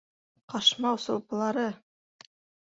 Ҡашмау-сулпылары!